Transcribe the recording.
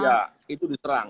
ya itu diterang